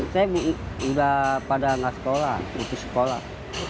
saya sudah pada anak sekolah berikut sekolah